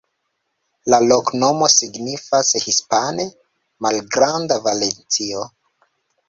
La loknomo signifas hispane: malgranda Valencio.